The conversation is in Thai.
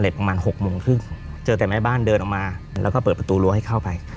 ประมาณ๖โมงครึ่งเจอแต่แม่บ้านเดินออกมาแล้วก็เปิดประตูรั้วให้เข้าไป